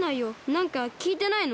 なんかきいてないの？